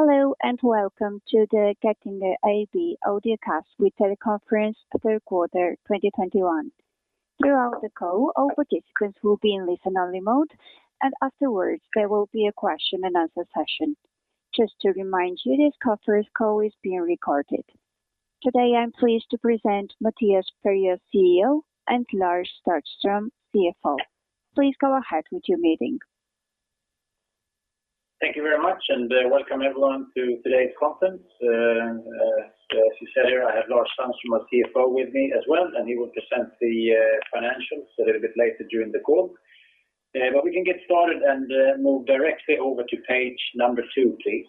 Hello, and welcome to the Getinge AB audiocast with teleconference third quarter 2021. Throughout the call, all participants will be in listen-only mode, and afterwards there will be a question and answer session. Just to remind you, this conference call is being recorded. Today, I'm pleased to present Mattias Perjos, CEO, and Lars Sandström, CFO. Please go ahead with your meeting. Thank you very much, and welcome everyone to today's conference. As you said here, I have Lars Sandström, our CFO with me as well, he will present the financials a little bit later during the call. We can get started and move directly over to page number two, please.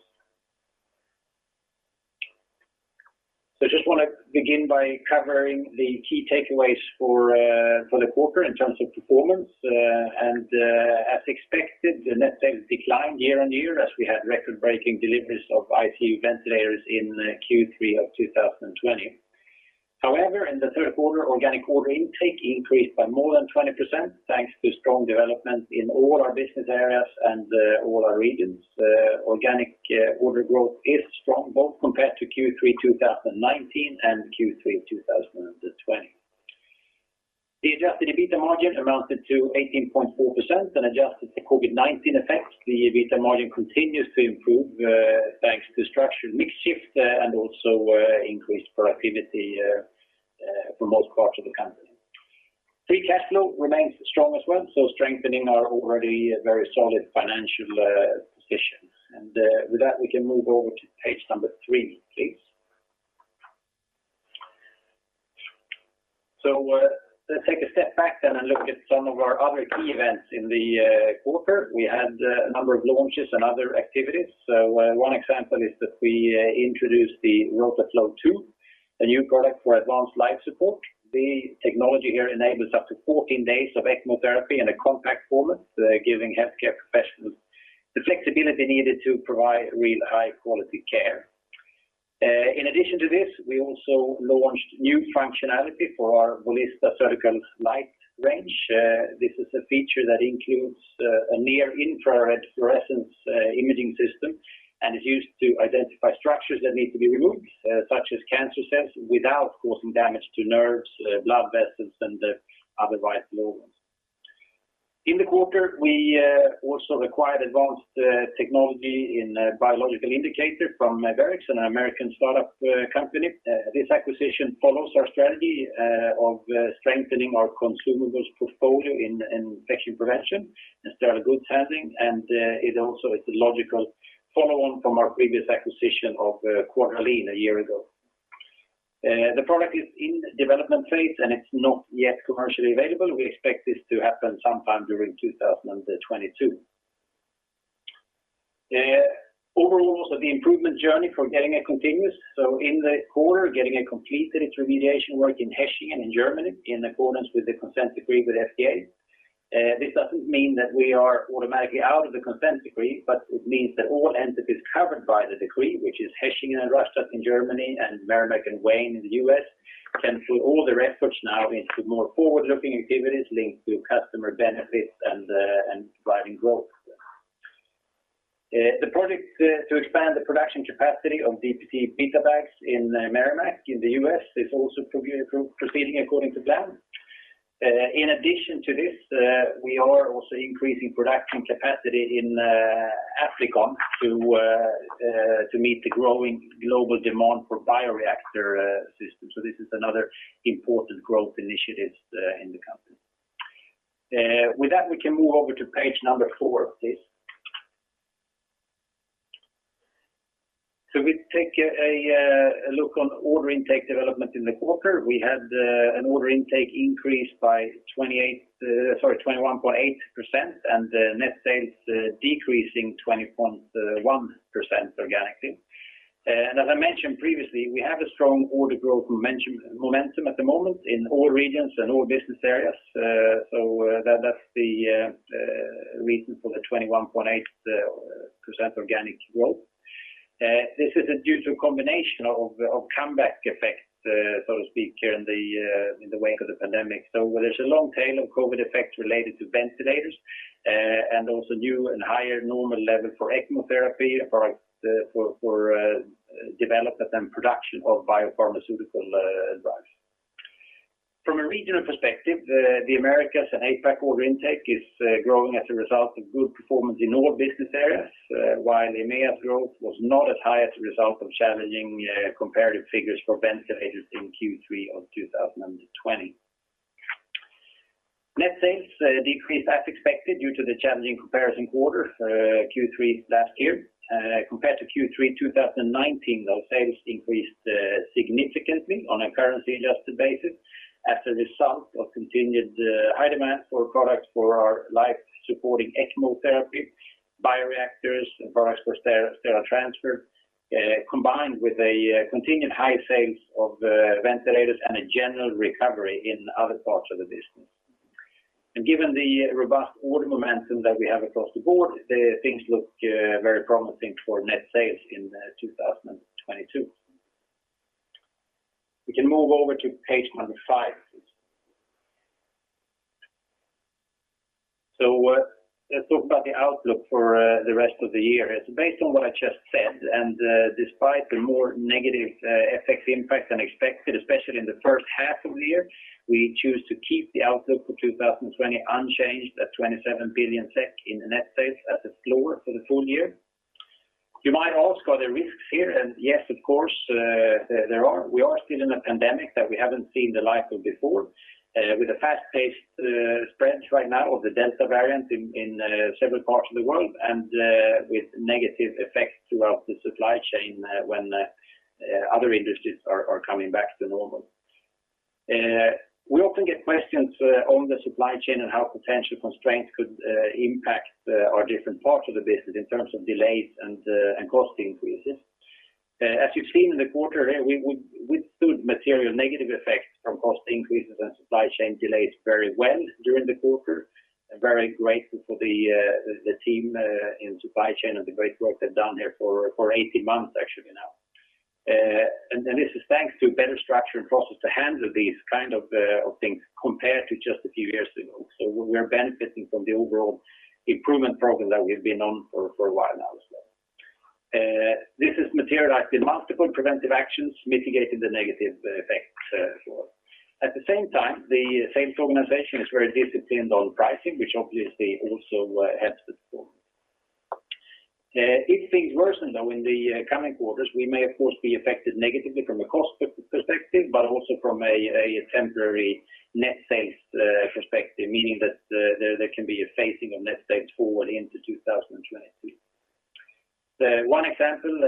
Just want to begin by covering the key takeaways for the quarter in terms of performance. As expected, the net sales declined year on year as we had record-breaking deliveries of ICU ventilators in Q3 2020. However, in the third quarter, organic order intake increased by more than 20%, thanks to strong development in all our business areas and all our regions. Organic order growth is strong, both compared to Q3 2019 and Q3 2020. The adjusted EBITDA margin amounted to 18.4%. Adjusted to COVID-19 effects, the EBITDA margin continues to improve, thanks to structural mix shift and also increased productivity for most parts of the company. Free cash flow remains strong as well, so strengthening our already very solid financial position. With that, we can move over to page number three, please. Let's take a step back then and look at some of our other key events in the quarter. We had a number of launches and other activities. One example is that we introduced the Rotaflow II, a new product for advanced life support. The technology here enables up to 14 days of ECMO therapy in a compact format, giving healthcare professionals the flexibility needed to provide real high-quality care. In addition to this, we also launched new functionality for our Volista surgical light range. This is a feature that includes a near-infrared fluorescence imaging system and is used to identify structures that need to be removed, such as cancer cells, without causing damage to nerves, blood vessels, and other vital organs. In the quarter, we also acquired advanced technology in biological indicator from Verrix, an American startup company. This acquisition follows our strategy of strengthening our consumables portfolio in infection prevention and sterile goods handling, and it also is a logical follow-on from our previous acquisition of Quadralene a year ago. The product is in the development phase, and it's not yet commercially available. We expect this to happen sometime during 2022. Overall, the improvement journey for Getinge continues. In the quarter, Getinge completed its remediation work in Hechingen in Germany, in accordance with the consent decree with FDA. This doesn't mean that we are automatically out of the consent decree, but it means that all entities covered by the decree, which is Hechingen and Rastatt in Germany and Merrimack and Wayne in the U.S., can put all their efforts now into more forward-looking activities linked to customer benefits and driving growth. The project to expand the production capacity of DPTE-BetaBag in Merrimack in the U.S. is also proceeding according to plan. In addition to this, we are also increasing production capacity in Applikon to meet the growing global demand for bioreactor systems. This is another important growth initiative in the company. With that, we can move over to page number four, please. We take a look on order intake development in the quarter. We had an order intake increase by 21.8% and net sales decreasing 20.1% organically. As I mentioned previously, we have a strong order growth momentum at the moment in all regions and all business areas. That's the reason for the 21.8% organic growth. This is due to a combination of comeback effects, so to speak, in the wake of the pandemic. There's a long tail of COVID effects related to ventilators, and also new and higher normal level for ECMO therapy, for development and production of biopharmaceutical drugs. From a regional perspective, the Americas and APAC order intake is growing as a result of good performance in all business areas, while EMEA growth was not as high as a result of challenging comparative figures for ventilators in Q3 of 2020. Net sales decreased as expected due to the challenging comparison quarter, Q3 last year. Compared to Q3 2019, those sales increased significantly on a currency-adjusted basis as a result of continued high demand for products for our life-supporting ECMO therapy, bioreactors, products for sterile transfer, combined with a continued high sales of ventilators and a general recovery in other parts of the business. Given the robust order momentum that we have across the board, things look very promising for net sales in 2022. We can move over to page number five, please. Let's talk about the outlook for the rest of the year. Based on what I just said, and despite the more negative FX impact than expected, especially in the first half of the year, we choose to keep the outlook for 2020 unchanged at 27 billion SEK in net sales at the floor for the full year. You might ask, are there risks here? Yes, of course, we are still in a pandemic that we haven't seen the like of before, with a fast-paced spread right now of the Delta variant in several parts of the world and with negative effects throughout the supply chain when other industries are coming back to normal. We often get questions on the supply chain and how potential constraints could impact our different parts of the business in terms of delays and cost increases. As you've seen in the quarter here, we withstood material negative effects from cost increases and supply chain delays very well during the quarter. I'm very grateful for the team in supply chain and the great work they've done here for 18 months actually now. This is thanks to better structure and process to handle these kind of things compared to just a few years ago.c We are benefiting from the overall improvement program that we've been on for a while now as well. This has materialized in multiple preventive actions mitigating the negative effects as well. At the same time, the sales organization is very disciplined on pricing, which obviously also helps the support. If things worsen, though, in the coming quarters, we may of course be affected negatively from a cost perspective, but also from a temporary net sales perspective, meaning that there can be a phasing of net sales forward into 2022. One example,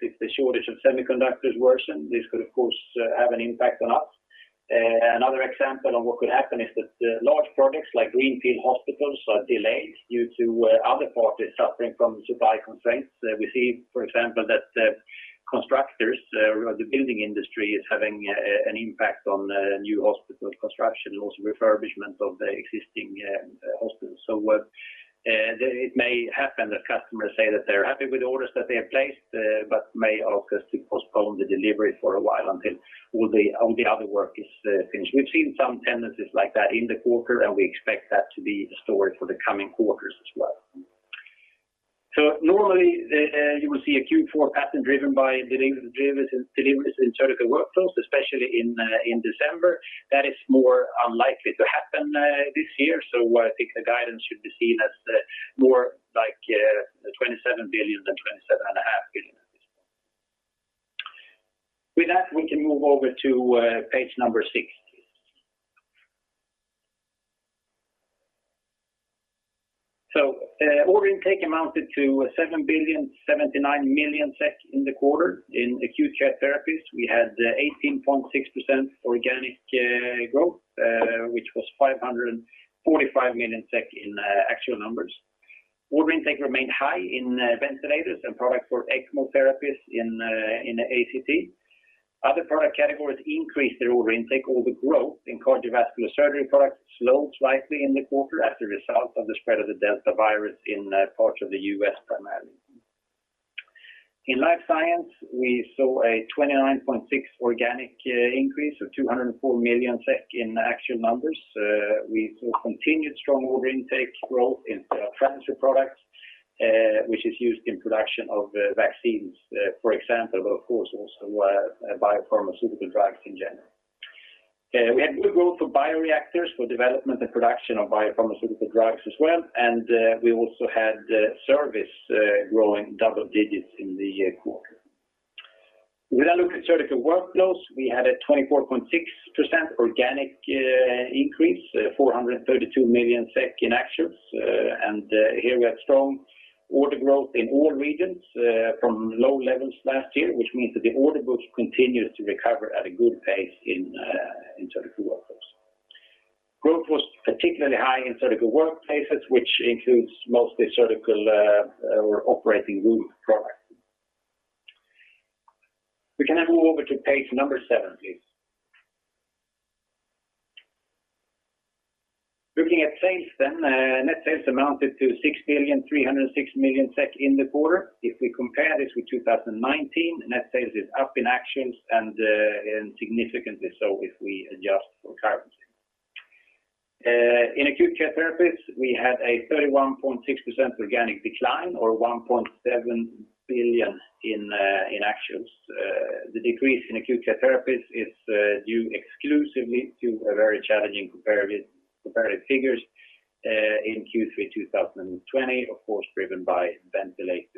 if the shortage of semiconductors worsen, this could of course have an impact on us. Another example on what could happen is that large projects like greenfield hospitals are delayed due to other parties suffering from supply constraints. We see, for example, that constructors or the building industry is having an impact on new hospital construction and also refurbishment of the existing hospitals. It may happen that customers say that they're happy with the orders that they have placed, but may ask us to postpone the delivery for a while until all the other work is finished. We've seen some tendencies like that in the quarter, and we expect that to be the story for the coming quarters as well. Normally, you will see a Q4 pattern driven by deliveries in Surgical Workflows, especially in December. That is more unlikely to happen this year. I think the guidance should be seen as more like 27 billion than 27.5 billion at this point. With that, we can move over to page number six, please. Order intake amounted to 7,079,000,000 SEK in the quarter. In Acute Care Therapies, we had 18.6% organic growth, which was 545 million in actual numbers. Order intake remained high in ventilators and products for ECMO therapies in ACT. Other product categories increased their order intake. Order growth in cardiovascular surgery products slowed slightly in the quarter as a result of the spread of the Delta virus in parts of the U.S. primarily. In Life Science, we saw a 29.6% organic increase of 204 million SEK in actual numbers. We saw continued strong order intake growth in transfer products, which is used in production of vaccines, for example, but of course also biopharmaceutical drugs in general. We had good growth for bioreactors for development and production of biopharmaceutical drugs as well, and we also had service growing double digits in the quarter. When I look at Surgical Workflows, we had a 24.6% organic increase, 432 million SEK in actuals. Here we had strong order growth in all regions from low levels last year, which means that the order books continues to recover at a good pace in Surgical Workflows. Growth was particularly high in Surgical Workplaces, which includes mostly surgical or operating room products. We can now move over to page number seven, please. Looking at sales, net sales amounted to 6,306,000,000 SEK in the quarter. If we compare this with 2019, net sales is up in actuals and significantly so if we adjust for currency. In Acute Care Therapies, we had a 31.6% organic decline or 1.7 billion in actuals. The decrease in Acute Care Therapies is due exclusively to very challenging comparative figures in Q3 2020, of course, driven by ventilators.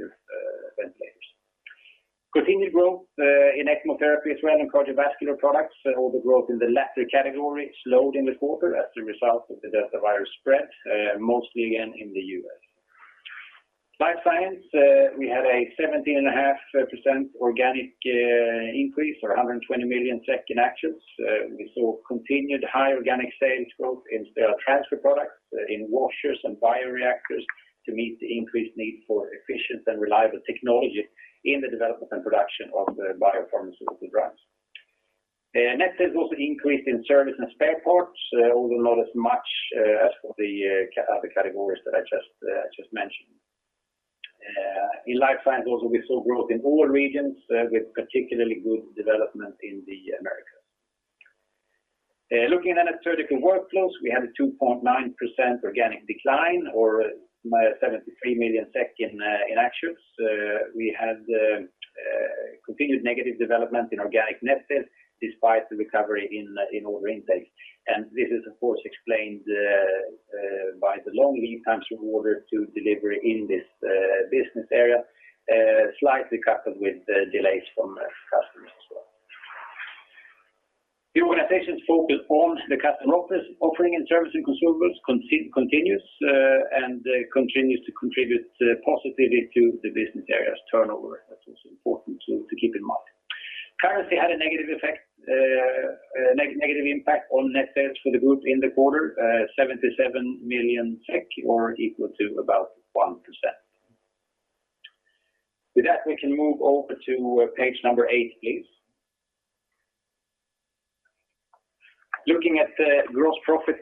Continued growth in ECMO therapy as well and cardiovascular products. Order growth in the latter category slowed in the quarter as a result of the Delta virus spread, mostly again in the U.S.. Life Science, we had a 17.5% organic increase or 120 million in actuals. We saw continued high organic sales growth in sterile transfer products, in washers and bioreactors to meet the increased need for efficient and reliable technology in the development and production of biopharmaceutical drugs. Net sales also increased in service and spare parts, although not as much as for the other categories that I just mentioned. In Life Science also, we saw growth in all regions with particularly good development in the Americas. Looking at Analytical Workflows, we had a 2.9% organic decline or 73 million in actuals. We had continued negative development in organic net sales despite the recovery in order intake. This is of course explained by the long lead times from order to delivery in this business area, slightly coupled with delays from customers as well. The organization's focus on the customer office offering and service and consumables continues and continues to contribute positively to the business area's turnover. That's also important to keep in mind. Currency had a negative impact on net sales for the group in the quarter, 77 million or equal to about 1%. We can move over to page eight, please. Looking at the gross profit,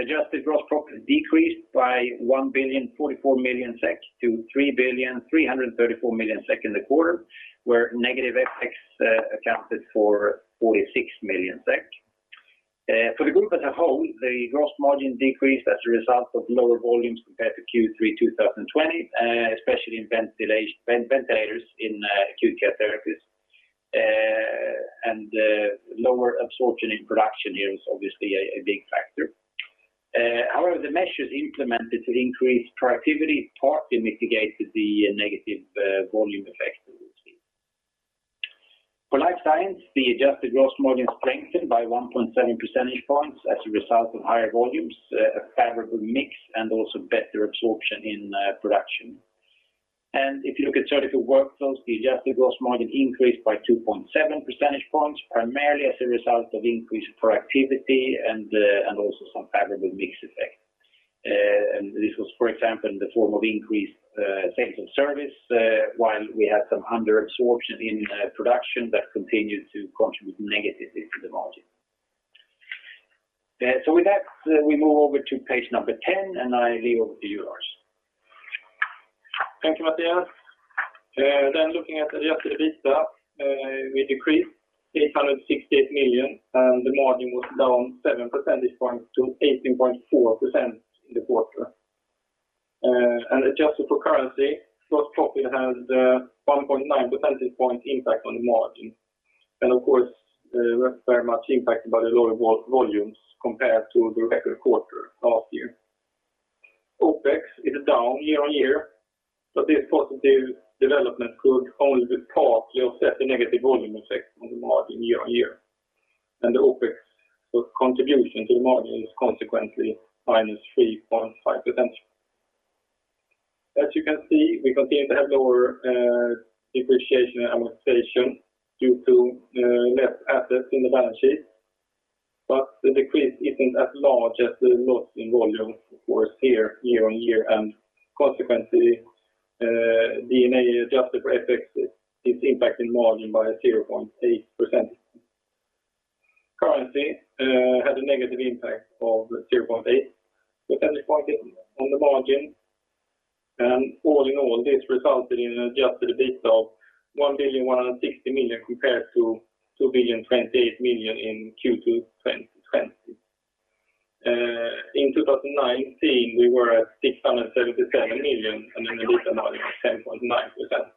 adjusted gross profit decreased by 1,044,000,000 SEK to 3,334,000,000 SEK in the quarter, where negative FX accounted for 46 million SEK. For the group as a whole, the gross margin decreased as a result of lower volumes compared to Q3 2020, especially in ventilators in Acute Care Therapies. Lower absorption in production here is obviously a big factor. However, the measures implemented to increase productivity partly mitigated the negative volume effect that we've seen. For Life Science, the adjusted gross margin strengthened by 1.7 percentage points as a result of higher volumes, a favorable mix, and also better absorption in production. If you look at Analytical Workflows, the adjusted gross margin increased by 2.7 percentage points, primarily as a result of increased productivity and also some favorable mix effect. This was, for example, in the form of increased sales of service, while we had some under-absorption in production that continued to contribute negatively to the margin. With that, we move over to page number 10, and I leave over to you, Lars. Thank you, Mattias. Looking at adjusted EBITDA, we decreased 868 million, the margin was down 7 percentage points to 18.4% in the quarter. Adjusted for currency, gross profit had a 1.9 percentage point impact on the margin. Of course, that's very much impacted by the lower volumes compared to the record quarter last year. OPEX is down year-on-year, this positive development could only partly offset the negative volume effect on the margin year-on-year. The OPEX contribution to the margin is consequently -3.5%. As you can see, we continue to have lower depreciation and amortization due to less assets in the balance sheet. The decrease isn't as large as the loss in volume was here year-on-year. Consequently, D&A adjusted for FX is impacting margin by 0.8%. Currency had a negative impact of 0.8 percentage points on the margin. All in all, this resulted in an adjusted EBITDA of 1,160,000,000 compared to 2,028,000,000 in Q2 2020. In 2019, we were at 677 million, the EBITDA margin was 10.9%.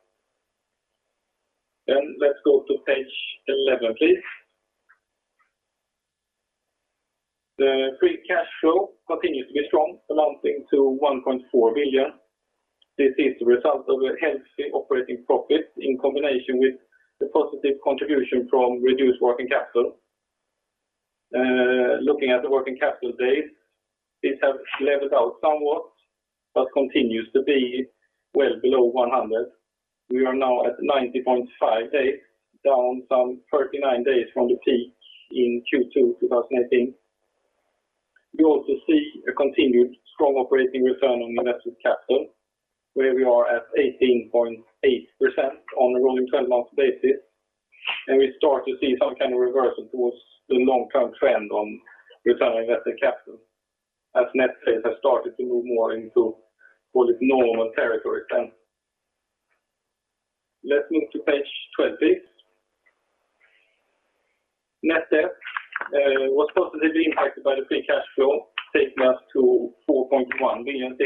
Let's go to page 11, please. The free cash flow continues to be strong, amounting to 1.4 billion. This is the result of a healthy operating profit in combination with the positive contribution from reduced working capital. Looking at the working capital days, these have leveled out somewhat, but continues to be well below 100. We are now at 90.5 days, down some 39 days from the peak in Q2 2018. We also see a continued strong operating return on invested capital, where we are at 18.8% on a rolling 12 months basis. We start to see some kind of reversal towards the long-term trend on returning invested capital as net sales have started to move more into call it normal territory then. Let's move to page 12. Net debt was positively impacted by the free cash flow, taking us to 4.1 billion.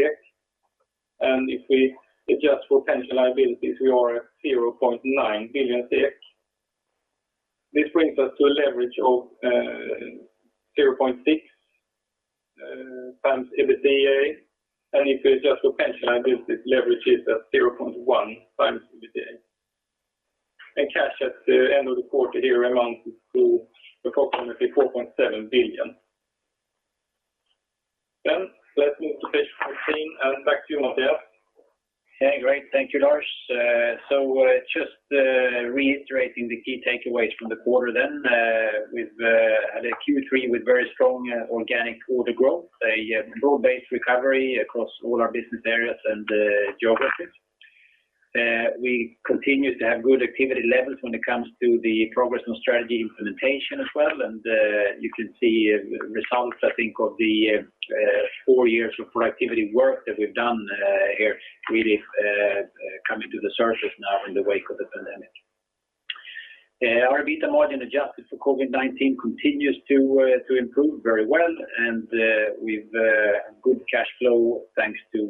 If we adjust for pension liabilities, we are at 0.9 billion. This brings us to a leverage of 0.6x EBITDA. If we adjust for pension liabilities, leverage is at 0.1x EBITDA. Cash at the end of the quarter here amounts to approximately 4.7 billion. Let's move to page 14, and back to you, Mattias. Okay, great. Thank you, Lars. Just reiterating the key takeaways from the quarter. We had a Q3 with very strong organic order growth, a full base recovery across all our business areas and geographies. We continue to have good activity levels when it comes to the progress on strategy implementation as well. You can see results, I think, of the four years of productivity work that we've done here really coming to the surface now in the wake of the pandemic. Our EBITDA margin adjusted for COVID-19 continues to improve very well, with good cash flow thanks to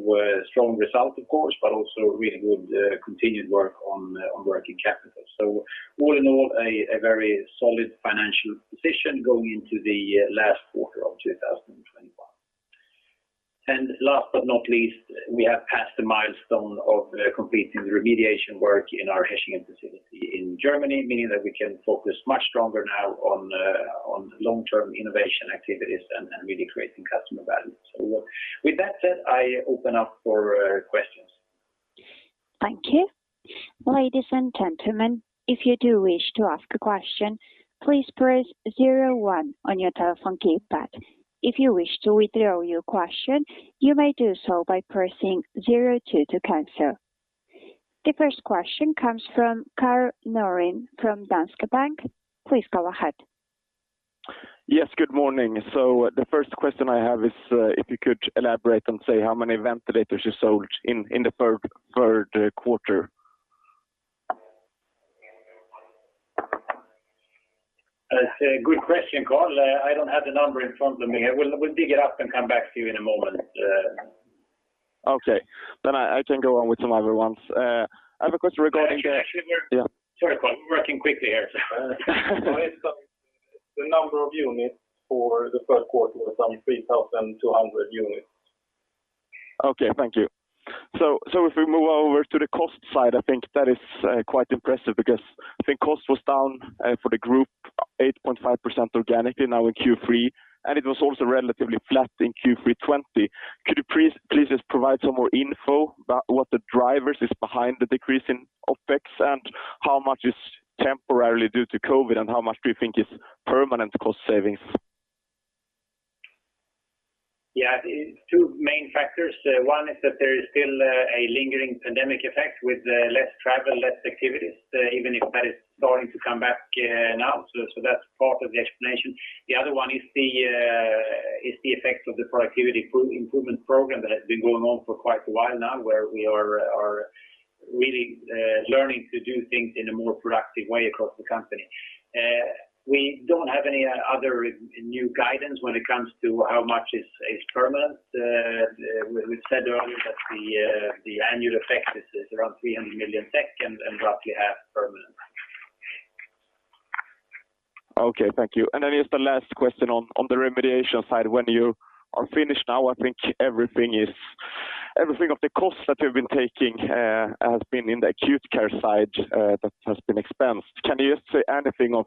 strong results, of course, also really good continued work on working capital. All in all, a very solid financial position going into the last quarter of 2021. Last but not least, we have passed the milestone of completing the remediation work in our Hechingen facility in Germany, meaning that we can focus much stronger now on long-term innovation activities and really creating customer value. With that said, I open up for questions. Thank you. Ladies and gentlemen, if you do wish to ask a question, please press zero one on your telephone keypad. If you wish to withdraw your question, you may do so by pressing zero two to cancel. The first question comes from Karl Norén from Danske Bank. Please go ahead. Yes, good morning. The first question I have is if you could elaborate and say how many ventilators you sold in the third quarter? That's a good question, Karl. I don't have the number in front of me. I will dig it up and come back to you in a moment. Okay. I can go on with some other ones. I have a question regarding. Actually, sorry, Karl. We're working quickly here. The number of units for the third quarter was some 3,200 units. Okay, thank you. If we move over to the cost side, I think that is quite impressive because I think cost was down for the group 8.5% organically now in Q3, and it was also relatively flat in Q3 2020. Could you please just provide some more info about what the drivers are behind the decrease in OpEx? How much is temporarily due to COVID, and how much do you think is permanent cost savings? Yeah. Two main factors. One is that there is still a lingering pandemic effect with less travel, less activities, even if that is starting to come back now. That's part of the explanation. The other one is the effect of the productivity improvement program that has been going on for quite a while now, where we are really learning to do things in a more productive way across the company. We don't have any other new guidance when it comes to how much is permanent. We've said earlier that the annual effect is around 300 million and roughly half permanent. Okay, thank you. Just the last question on the remediation side. When you are finished now, I think everything of the cost that you've been taking has been in the Acute Care side that has been expensed. Can you say anything of,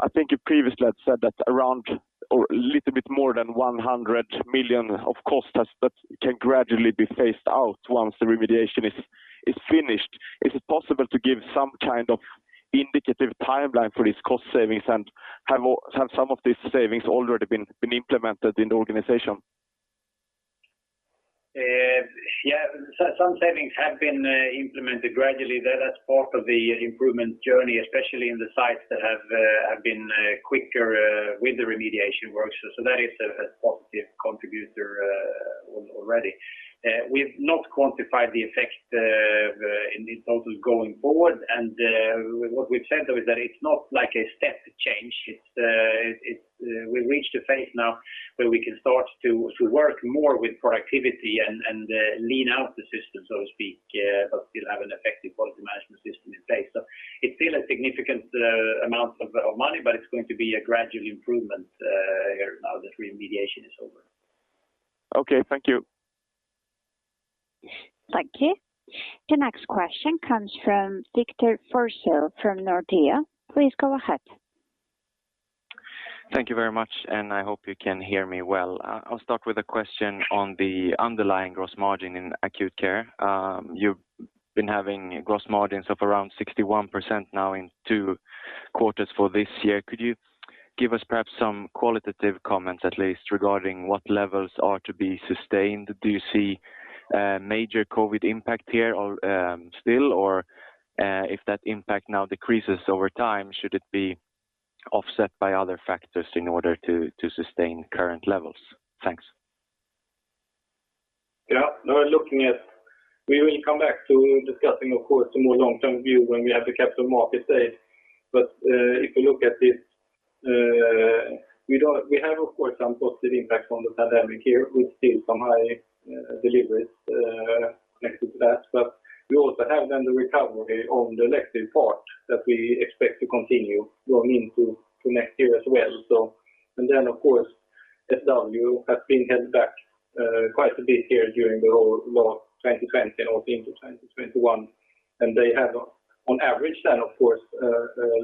I think you previously had said that around or a little bit more than 100 million of cost can gradually be phased out once the remediation is finished. Is it possible to give some kind of indicative timeline for these cost savings? Have some of these savings already been implemented in the organization? Some savings have been implemented gradually. That's part of the improvement journey, especially in the sites that have been quicker with the remediation work. That is a positive contributor already. We've not quantified the effect in these totals going forward. What we've said, though, is that it's not like a step change. We've reached a phase now where we can start to work more with productivity and lean out the system, so to speak, but still have an effective quality management system in place. It's still a significant amount of money, but it's going to be a gradual improvement here now that remediation is over. Okay, thank you. Thank you. The next question comes from Victor Forssell from Nordea. Please go ahead. Thank you very much, and I hope you can hear me well. I'll start with a question on the underlying gross margin in Acute Care. You've been having gross margins of around 61% now in two quarters for this year. Could you give us perhaps some qualitative comments at least regarding what levels are to be sustained? Do you see a major COVID impact here still? If that impact now decreases over time, should it be offset by other factors in order to sustain current levels? Thanks. We will come back to discussing, of course, a more long-term view when we have the capital market day. If you look at this, we have, of course, some positive impact from the pandemic here with still some high deliveries connected to that. We also have the recovery on the elective part that we expect to continue going into next year as well. Of course, SW has been held back quite a bit here during the whole of 2020 and into 2021. They have, on average, of course, a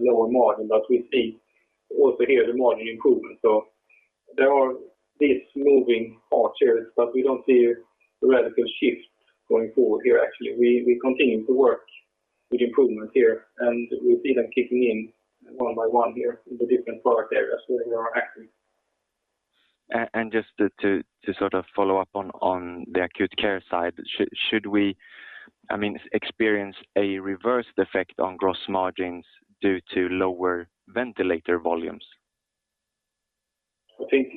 lower margin. We see also here the margin improvement. There are these moving parts here, but we don't see a radical shift going forward here, actually. We continue to work with improvement here, and we see them kicking in one by one here in the different product areas where we are active. Just to sort of follow up on the Acute Care side. Should we experience a reversed effect on gross margins due to lower ventilator volumes? I think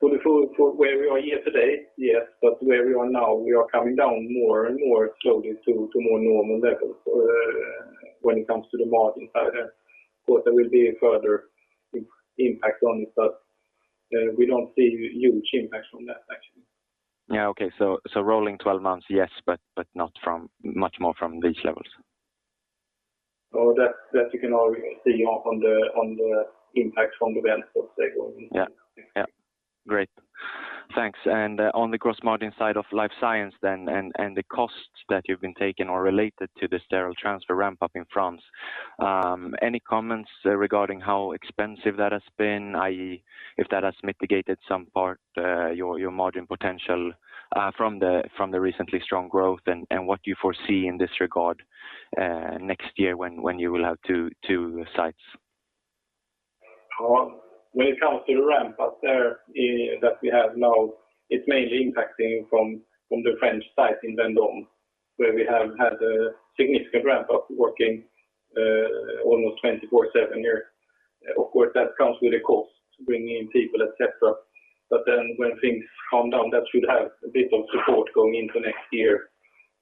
for where we were yesterday, yes. Where we are now, we are coming down more and more slowly to more normal levels when it comes to the margin side. There will be a further impact on it, but we don't see huge impacts from that actually. Yeah, okay. Rolling 12 months, yes, but not much more from these levels? That you can already see on the impact from Vendôme, Seguin. Yeah. Great. Thanks. On the gross margin side of Life Science then, and the costs that you've been taking are related to the sterile transfer ramp-up in France. Any comments regarding how expensive that has been, i.e., if that has mitigated some part your margin potential from the recently strong growth and what you foresee in this regard next year when you will have two sites? When it comes to the ramp-up there that we have now, it is mainly impacting from the French site in Vendôme, where we have had a significant ramp-up working almost 24/7 there. Of course, that comes with a cost, bringing in people, et cetera. When things calm down, that should have a bit of support going into next year.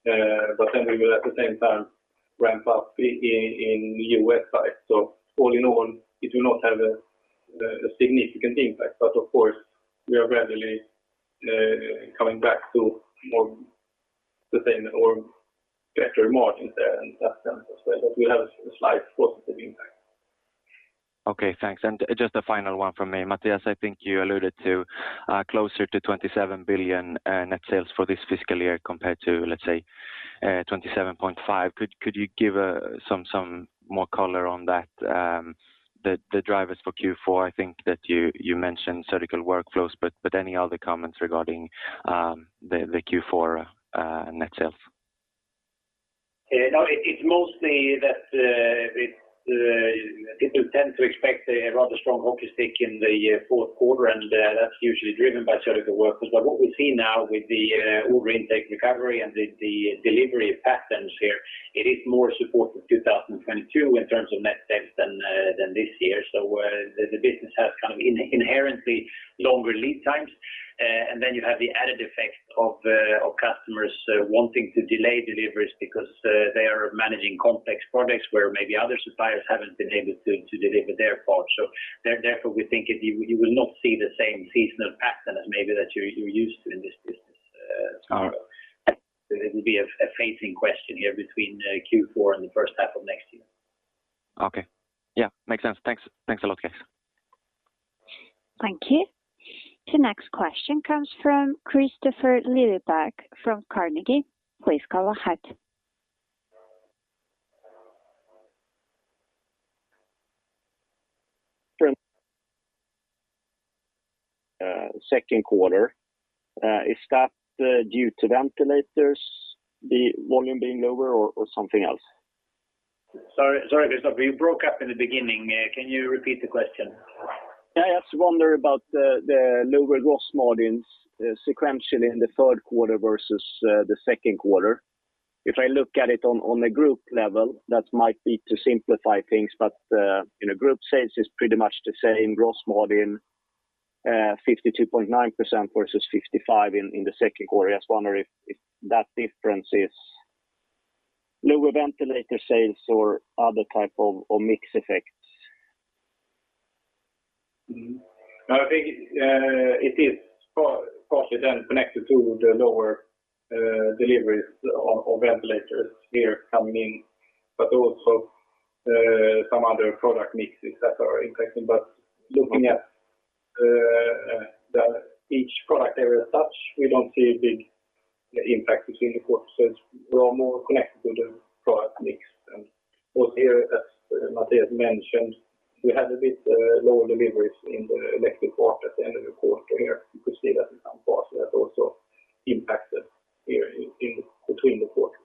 We will at the same time ramp up in U.S. side. All in all, it will not have a significant impact. Of course, we are gradually coming back to more the same or better margins there in that sense as well. We have a slight positive impact. Okay, thanks. Just a final one from me. Mattias, I think you alluded to closer to 27 billion net sales for this fiscal year compared to, let's say, 27.5 billion. Could you give some more color on that? The drivers for Q4, I think that you mentioned Surgical Workflows, but any other comments regarding the Q4 net sales? It's mostly that people tend to expect a rather strong hockey stick in the fourth quarter, and that's usually driven by Surgical Workflows. What we see now with the order intake recovery and the delivery patterns here, it is more supportive 2022 in terms of net sales than this year. The business has inherently longer lead times. You have the added effect of customers wanting to delay deliveries because they are managing complex products where maybe other suppliers haven't been able to deliver their part. Therefore, we think you will not see the same seasonal pattern as maybe that you're used to in this business. All right. It will be a fading question here between Q4 and the first half of next year. Okay. Yeah, makes sense. Thanks a lot, guys. Thank you. The next question comes from Kristofer Liljeberg from Carnegie. Please go ahead. Second quarter, is that due to ventilators, the volume being lower or something else? Sorry, Kristofer, you broke up in the beginning. Can you repeat the question? Yeah, I just wonder about the lower gross margins sequentially in the third quarter versus the second quarter. If I look at it on a group level, that might be to simplify things, but group sales is pretty much the same gross margin 52.9% versus 55% in the second quarter. I just wonder if that difference is lower ventilator sales or other type of mix effects? No, I think it is partly connected to the lower deliveries of ventilators here coming in, but also some other product mixes that are impacting. Looking at each product area as such, we don't see a big impact between the quarters. It's more connected to the product mix. Both here, as Mattias mentioned, we had a bit lower deliveries in the electric part at the end of the quarter here. You could see that in some parts that also impacted here in between the quarters.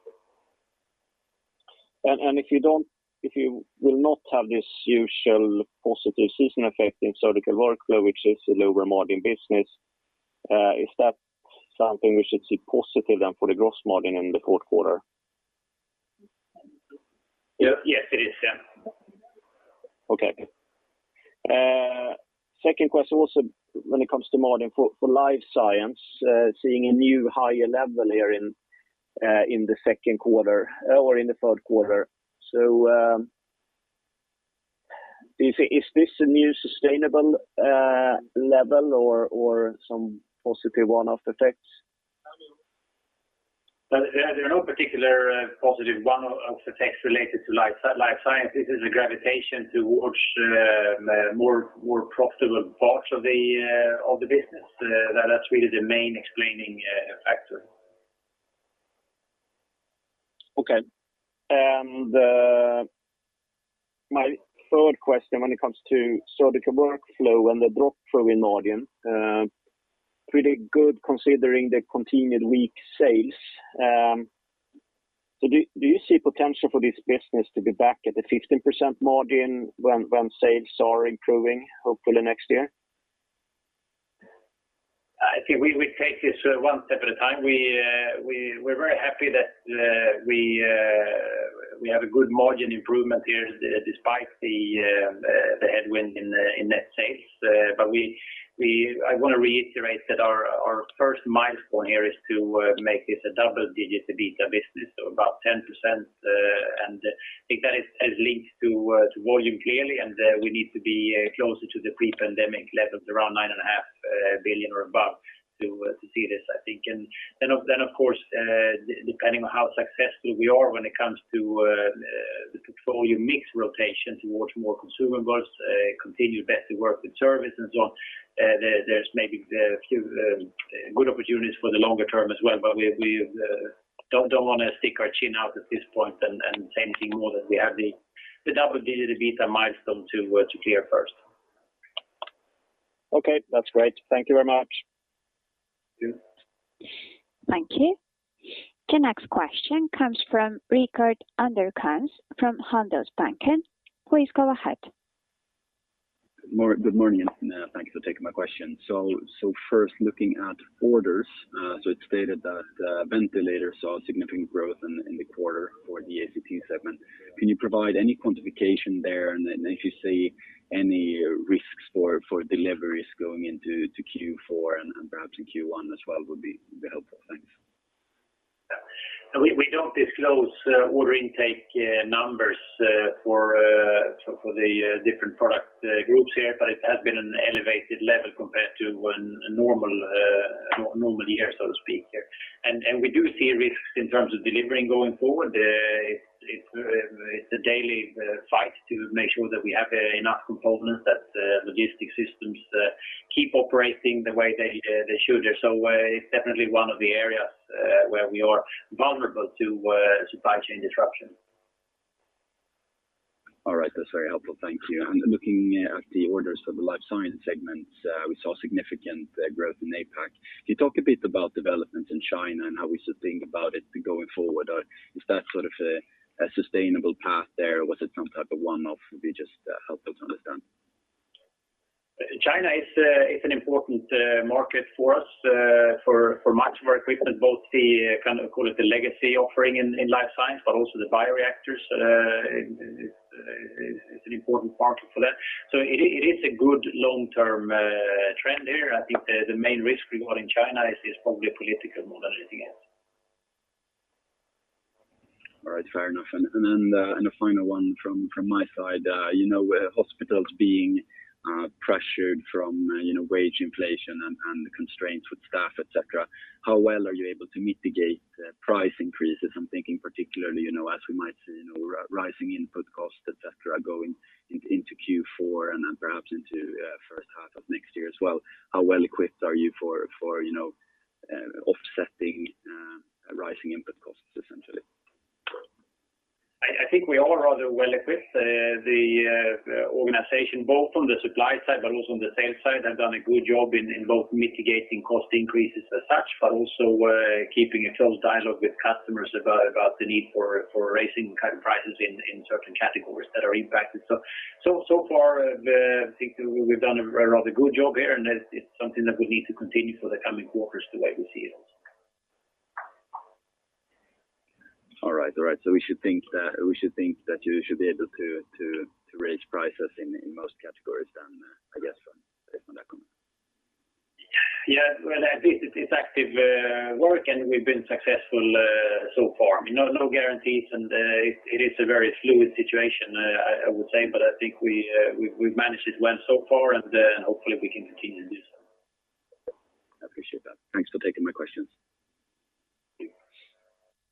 If you will not have this usual positive season effect in Surgical Workflows, which is a lower margin business, is that something we should see positive then for the gross margin in the fourth quarter? Yes, it is. Yeah. Okay. Second question also when it comes to margin for Life Science, seeing a new higher level here in the third quarter. Is this a new sustainable level or some positive one-off effects? There are no particular positive one-off effects related to Life Science. This is a gravitation towards more profitable parts of the business. That's really the main explaining factor. Okay. My third question when it comes to Surgical Workflows and the drop flow in margin. Pretty good considering the continued weak sales. Do you see potential for this business to be back at the 15% margin when sales are improving, hopefully next year? I think we take this one step at a time. We're very happy that we have a good margin improvement here despite the headwind in net sales. I want to reiterate that our first milestone here is to make this a double-digit EBITDA business, so about 10%, and I think that is linked to volume clearly, and we need to be closer to the pre-pandemic levels, around 9.5 billion or above to see this, I think. Of course, depending on how successful we are when it comes to the portfolio mix rotation towards more consumable, continued better work with service and so on, there's maybe a few good opportunities for the longer term as well. We don't want to stick our chin out at this point and say anything more than we have the double-digit EBITDA milestone to clear first. Okay, that's great. Thank you very much. Thank you. Thank you. The next question comes from Rickard Anderkrans from Handelsbanken. Please go ahead. Good morning. Thank you for taking my question. First, looking at orders. It's stated that ventilator saw significant growth in the quarter for the ACT segment. Can you provide any quantification there? If you see any risks for deliveries going into Q4 and perhaps in Q1 as well would be helpful. Thanks. We don't disclose order intake numbers for the different product groups here. It has been an elevated level compared to a normal year, so to speak. We do see risks in terms of delivering going forward. It's a daily fight to make sure that we have enough components, that logistic systems keep operating the way they should. It's definitely one of the areas where we are vulnerable to supply chain disruption. All right. That's very helpful. Thank you. Looking at the orders for the Life Science segment, we saw significant growth in APAC. Can you talk a bit about developments in China and how we should think about it going forward? Is that a sustainable path there or was it some type of one-off? If you just help us understand. China is an important market for us for much of our equipment, both the, call it the legacy offering in Life Science, but also the bioreactors. It's an important market for that. It is a good long-term trend there. I think the main risk we got in China is probably political more than anything else. All right. Fair enough. The final one from my side. With hospitals being pressured from wage inflation and constraints with staff, et cetera, how well are you able to mitigate price increases? I'm thinking particularly, as we might see, rising input costs, et cetera, going into Q4 and then perhaps into first half of next year as well. How well equipped are you for offsetting rising input costs, essentially? I think we are rather well equipped. The organization, both on the supply side, but also on the sales side, have done a good job in both mitigating cost increases as such, but also keeping a close dialogue with customers about the need for raising prices in certain categories that are impacted. So far, I think we've done a rather good job there, and it's something that we need to continue for the coming quarters the way we see it. All right. We should think that you should be able to raise prices in most categories then, I guess, based on that comment. Yeah. Well, I think it's active work, and we've been successful so far. No guarantees. It is a very fluid situation, I would say. I think we've managed it well so far, and hopefully we can continue to do so. I appreciate that. Thanks for taking my questions.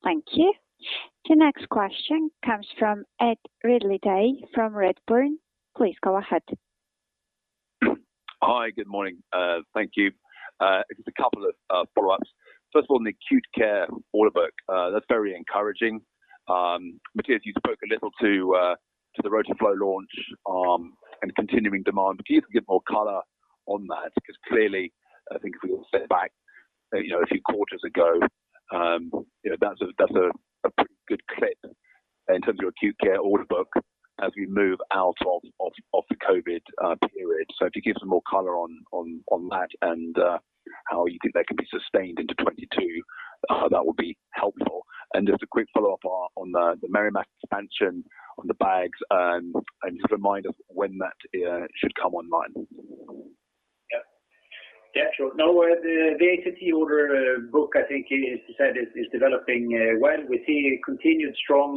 Thank you. The next question comes from Ed Ridley-Day from Redburn. Please go ahead. Hi. Good morning. Thank you. Just a couple of follow-ups. First of all, on the Acute Care order book, that's very encouraging. Mattias, you spoke a little to the Rotaflow launch and continuing demand. Could you give more color on that? Because clearly, I think if we all step back a few quarters ago, that's a pretty good clip in terms of your Acute Care order book as we move out of the COVID-19 period. If you give some more color on that and how you think that can be sustained into 2022, that would be helpful. Just a quick follow-up on the Merrimack expansion on the bags, and just a reminder when that should come online. Yeah. Sure. The ACT order book, I think as you said, is developing well. We see a continued strong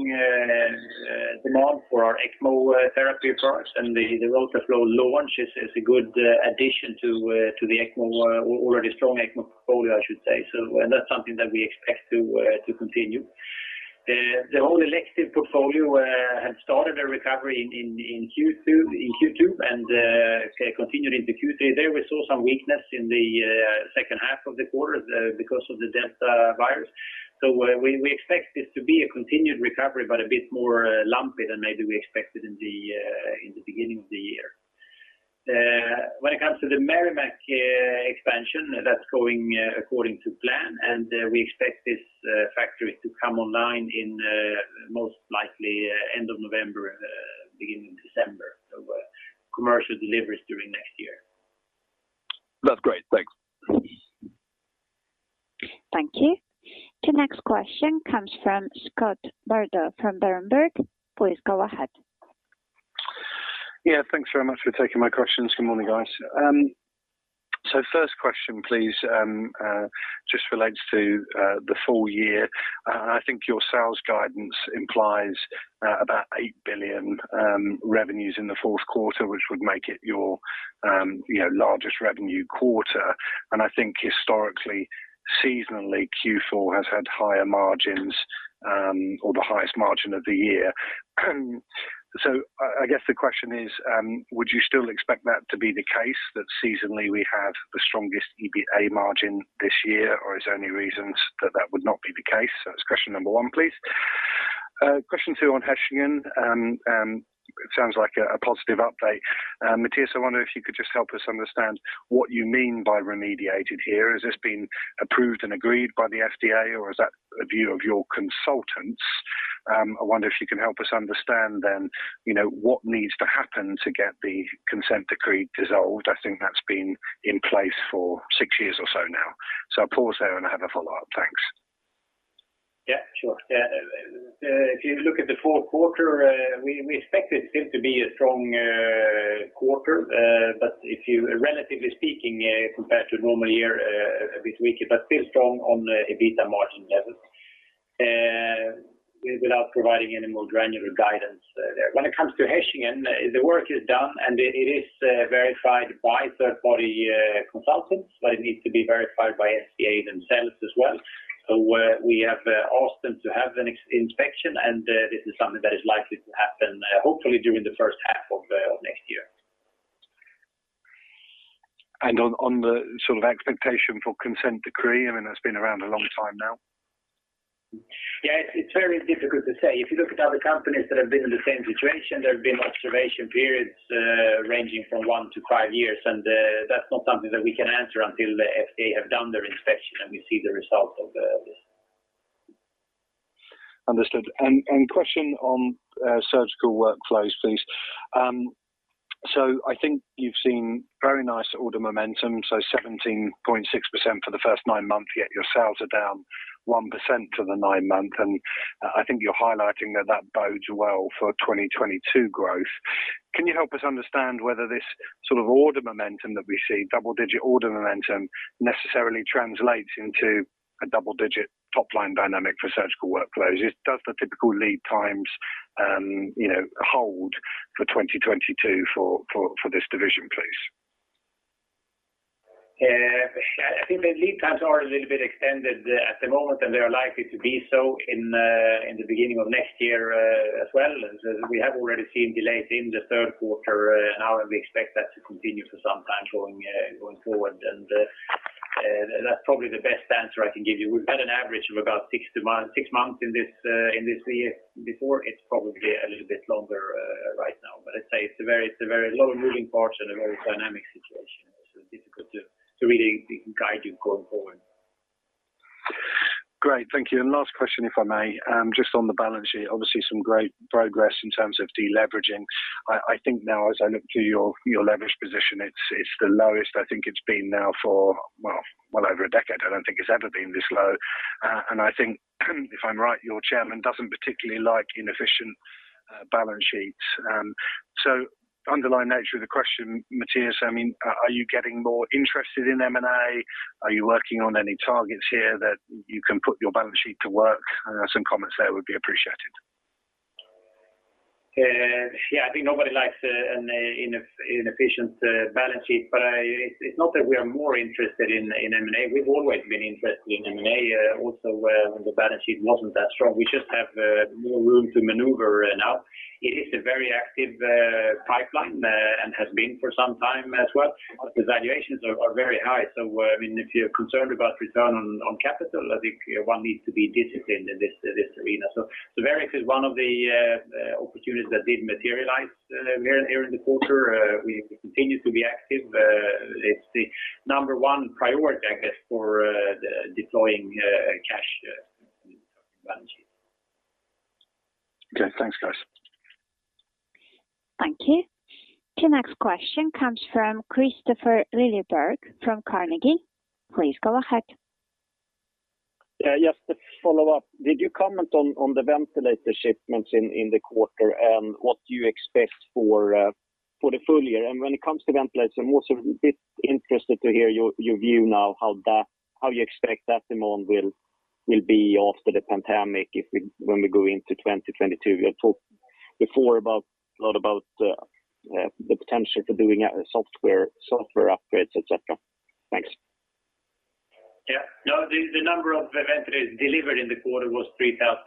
demand for our ECMO therapy products and the Rotaflow launch is a good addition to the already strong ECMO portfolio, I should say. That's something that we expect to continue. The whole elective portfolio had started a recovery in Q2 and continued into Q3. There we saw some weakness in the second half of the quarter because of the Delta virus. We expect this to be a continued recovery, but a bit more lumpy than maybe we expected in the beginning of the year. When it comes to the Merrimack expansion, that's going according to plan, and we expect this factory to come online in most likely end of November, beginning of December. Commercial deliveries during next year. That's great. Thanks. Thank you. The next question comes from Scott Bardo from Berenberg. Please go ahead. Thanks very much for taking my questions. Good morning, guys. First question, please, just relates to the full year. I think your sales guidance implies about 8 billion revenues in the fourth quarter, which would make it your largest revenue quarter. I think historically, seasonally, Q4 has had higher margins or the highest margin of the year. I guess the question is, would you still expect that to be the case, that seasonally we have the strongest EBITDA margin this year, or is there any reasons that that would not be the case? That's question number one, please. Question two on Hechingen. Sounds like a positive update. Mattias, I wonder if you could just help us understand what you mean by remediated here. Has this been approved and agreed by the FDA, or is that a view of your consultants? I wonder if you can help us understand then, what needs to happen to get the consent decree dissolved. I think that's been in place for six years or so now. I'll pause there and have a follow-up. Thanks. Yeah, sure. If you look at the fourth quarter, we expect it still to be a strong quarter. Relatively speaking, compared to a normal year, a bit weaker, but still strong on the EBITDA margin level, without providing any more granular guidance there. When it comes to Hechingen, the work is done, and it is verified by third-party consultants, but it needs to be verified by FDA themselves as well. We have asked them to have an inspection, and this is something that is likely to happen hopefully during the first half of next year. On the sort of expectation for consent decree, I mean, that's been around a long time now. Yeah, it's very difficult to say. If you look at other companies that have been in the same situation, there have been observation periods ranging from one to five years, and that's not something that we can answer until the FDA have done their inspection and we see the result of this. Understood. Question on Surgical Workflows, please. I think you've seen very nice order momentum, 17.6% for the first nine months, yet your sales are down 1% for the nine months. I think you're highlighting that that bodes well for 2022 growth. Can you help us understand whether this sort of order momentum that we see, double-digit order momentum, necessarily translates into a double-digit top-line dynamic for Surgical Workflows? Does the typical lead times hold for 2022 for this division, please? I think the lead times are a little bit extended at the moment, and they are likely to be so in the beginning of next year as well, as we have already seen delays in the third quarter now, and we expect that to continue for some time going forward. That's probably the best answer I can give you. We've had an average of about six months in this before. It's probably a little bit longer right now. I'd say it's a very low-moving portion, a very dynamic situation. It's difficult to really guide you going forward. Great. Thank you. Last question, if I may. Just on the balance sheet, obviously some great progress in terms of de-leveraging. I think now as I look to your leverage position, it's the lowest I think it's been now for well over a decade. I don't think it's ever been this low. I think if I'm right, your chairman doesn't particularly like inefficient balance sheets. Underlying nature of the question, Mattias, are you getting more interested in M&A? Are you working on any targets here that you can put your balance sheet to work? Some comments there would be appreciated. Yeah. I think nobody likes an inefficient balance sheet, but it's not that we are more interested in M&A. We've always been interested in M&A, also when the balance sheet wasn't that strong. We just have more room to maneuver now. It is a very active pipeline and has been for some time as well. The valuations are very high. If you're concerned about return on capital, I think one needs to be disciplined in this arena. Verrix is one of the opportunities that did materialize here in the quarter. We continue to be active. It's the number one priority, I guess, for deploying cash balance sheet. Okay. Thanks, guys. Thank you. The next question comes from Kristofer Liljeberg from Carnegie. Please go ahead. Yeah. Just to follow up, did you comment on the ventilator shipments in the quarter, and what do you expect for the full year? When it comes to ventilators, I'm also a bit interested to hear your view now how you expect that demand will be after the pandemic when we go into 2022. We had talked before a lot about the potential for doing software upgrades, et cetera. Thanks. Yeah. No, the number of ventilators delivered in the quarter was 3,200.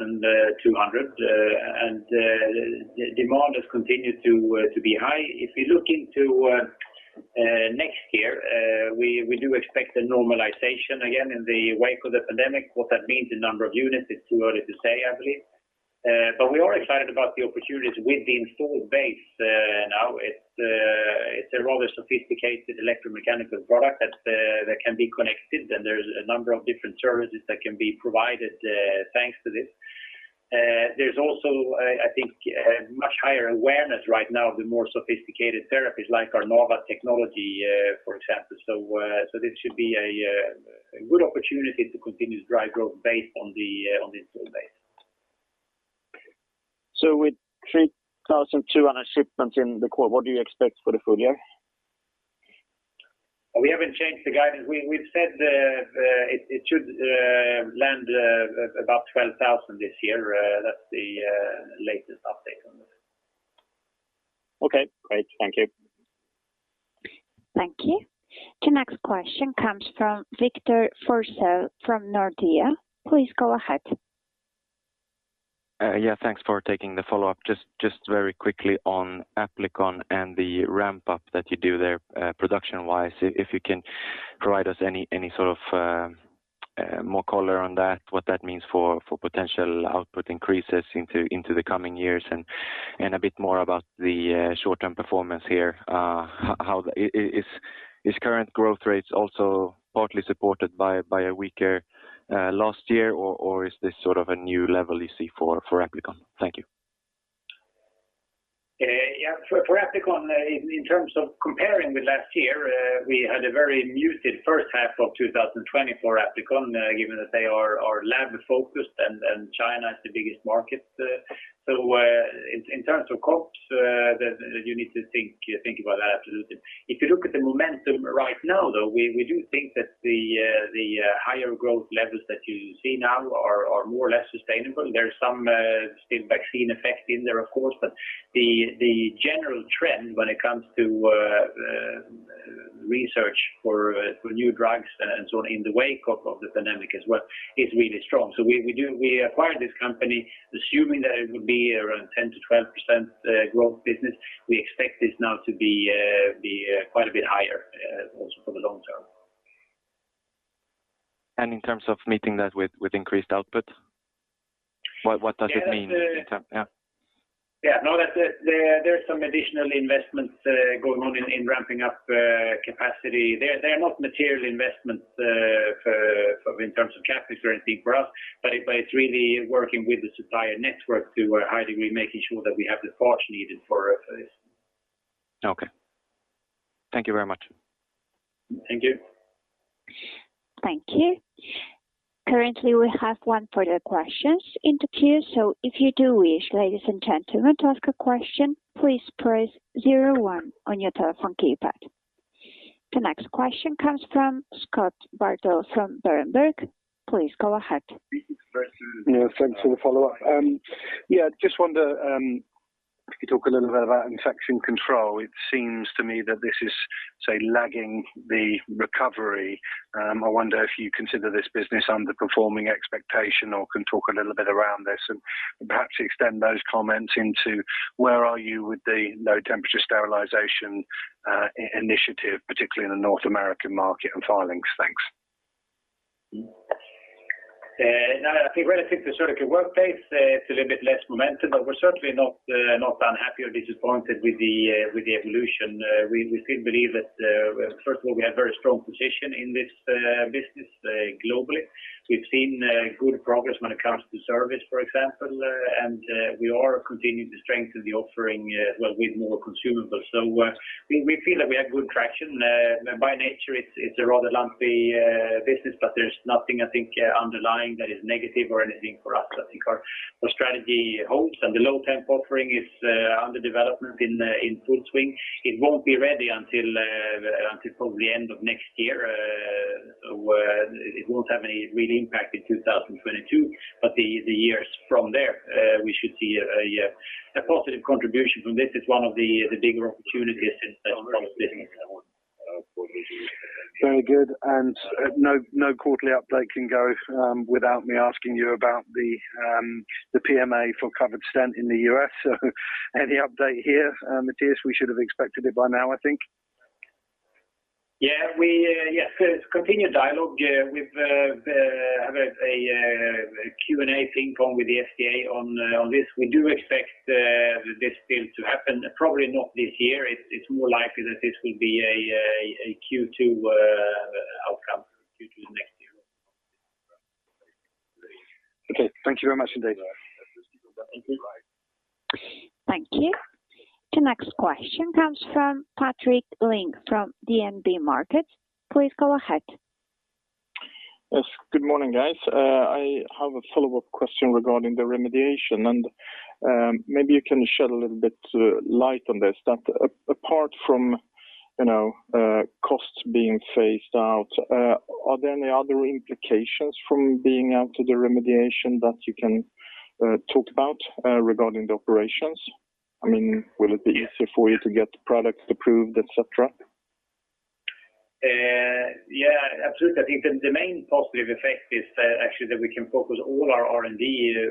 The demand has continued to be high. If you look into next year, we do expect a normalization again in the wake of the pandemic. What that means in number of units, it's too early to say, I believe. We are excited about the opportunities with the installed base now. It's a rather sophisticated electromechanical product that can be connected, and there's a number of different services that can be provided thanks to this. There's also, I think, a much higher awareness right now of the more sophisticated therapies like our NAVA technology, for example. This should be a good opportunity to continue to drive growth based on the install base. With 3,200 shipments in the quarter, what do you expect for the full year? We haven't changed the guidance. We've said it should land at about 12,000 this year. That's the latest update on this. Okay, great. Thank you. Thank you. The next question comes from Victor Forssell from Nordea. Please go ahead. Yeah, thanks for taking the follow-up. Just very quickly on Applikon and the ramp-up that you do there production-wise, if you can provide us any sort of more color on that, what that means for potential output increases into the coming years, and a bit more about the short-term performance here. Is current growth rates also partly supported by a weaker last year, or is this sort of a new level you see for Applikon? Thank you. Yeah. For Applikon, in terms of comparing with last year, we had a very muted first half of 2020 for Applikon, given that they are lab focused and China is the biggest market. In terms of comps, you need to think about that, absolutely. If you look at the momentum right now, though, we do think that the higher growth levels that you see now are more or less sustainable. There's some still vaccine effect in there, of course, but the general trend when it comes to research for new drugs and so on in the wake of the pandemic as well is really strong. We acquired this company assuming that it would be around 10%-12% growth business. We expect this now to be quite a bit higher, also for the long term. In terms of meeting that with increased output, what does it mean yeah? Yeah, no. There is some additional investments going on in ramping up capacity. They are not material investments in terms of capital or anything for us, but it is really working with the supplier network to a high degree, making sure that we have the parts needed for this. Okay. Thank you very much. Thank you. Thank you. Currently, we have one further questions in the queue. If you do wish, ladies and gentlemen, to ask a question, please press zero one on your telephone keypad. The next question comes from Scott Bardo from Berenberg. Please go ahead. Thanks for the follow-up. I just wonder if you could talk a little bit about Infection Control. It seems to me that this is lagging the recovery. I wonder if you consider this business underperforming expectations or can talk a little bit around this, and perhaps extend those comments into where are you with the low temperature sterilization initiative, particularly in the North American market and filings. Thanks. I think relative to Surgical Workplace, it's a little bit less momentum, but we're certainly not unhappy or disappointed with the evolution. We still believe that, first of all, we have very strong position in this business globally. We've seen good progress when it comes to service, for example, and we are continuing to strengthen the offering with more consumables. We feel that we have good traction. By nature, it's a rather lumpy business, but there's nothing, I think, underlying that is negative or anything for us. I think our strategy holds, and the low temp offering is under development in full swing. It won't be ready until probably end of next year, where it won't have any real impact in 2022. The years from there, we should see a positive contribution from this as one of the bigger opportunities from this. Very good. No quarterly update can go without me asking you about the PMA for covered stent in the U.S. Any update here, Mattias? We should have expected it by now, I think. Yeah. Yes, there's continued dialogue. We have a Q&A thing going with the FDA on this. We do expect this still to happen, probably not this year. It's more likely that this will be a Q2 outcome, Q2 next year. Okay. Thank you very much indeed. Thank you. Thank you. The next question comes from Patrik Ling from DNB Markets. Please go ahead. Yes, good morning, guys. I have a follow-up question regarding the remediation. Maybe you can shed a little bit light on this, that apart from costs being phased out, are there any other implications from being out of the remediation that you can talk about regarding the operations? I mean, will it be easier for you to get products approved, et cetera? Yeah, absolutely. I think the main positive effect is actually that we can focus all our R&D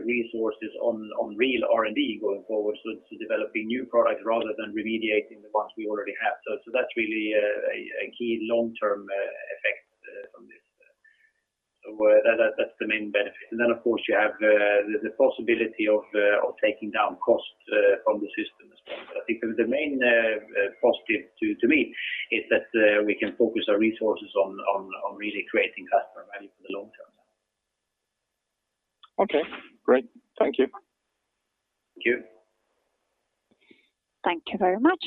resources on real R&D going forward, so to developing new products rather than remediating the ones we already have. That's really a key long-term effect from this. That's the main benefit. Of course, you have the possibility of taking down costs from the system as well. I think the main positive to me is that we can focus our resources on really creating customer value for the long term. Okay, great. Thank you. Thank you. Thank you very much.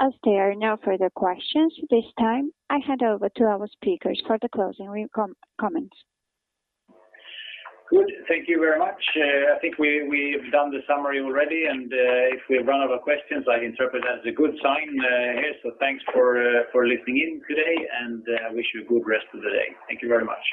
As there are no further questions this time, I hand over to our speakers for the closing comments. Good. Thank you very much. I think we've done the summary already, and if we've run out of questions, I interpret that as a good sign here. Thanks for listening in today, and wish you a good rest of the day. Thank you very much.